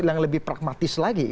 yang lebih pragmatis lagi